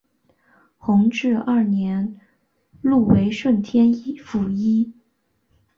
弘治二年入为顺天府尹。